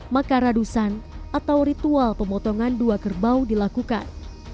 maka radusan atau ritual pemotongan dua kerbau dilakukan